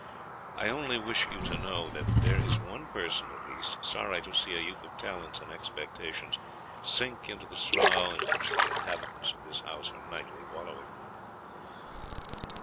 I only wish you to know, that there is one person at least sorry to see a youth of talents and expectations sink into the slough in which the inhabitants of this house are nightly wallowing."